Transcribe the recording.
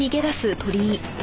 鳥居！